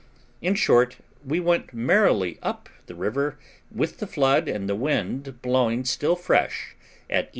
In short, we went merrily up the river with the flood and the wind blowing still fresh at E.